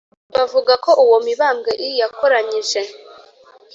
bavuga ko uwo mibambwe i yakoranyije